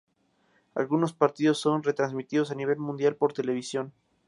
Algunos partidos son retransmitidos a nivel mundial por televisión.